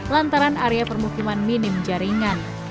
lantaran area permukiman minim jaringan